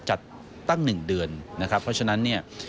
จัดตั้งหนึ่งเดือนนะครับเพราะฉะนั้น